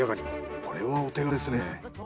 これはお手軽ですね。